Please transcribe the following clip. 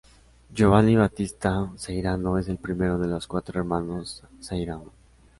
Giovanni Battista Ceirano es el primero de los cuatro hermanos Ceirano.